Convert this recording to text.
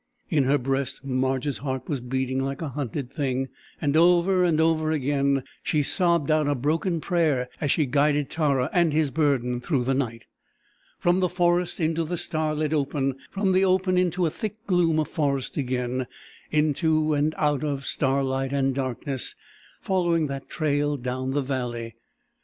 In her breast Marge's heart was beating like a hunted thing, and over and over again she sobbed out a broken prayer as she guided Tara and his burden through the night. From the forest into the starlit open; from the open into the thick gloom of forest again into and out of starlight and darkness, following that trail down the valley.